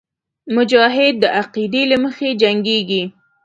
مجاهد د عقیدې له مخې جنګېږي.